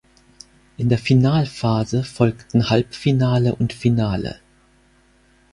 In der Finalphase folgten Halbfinale und Finale.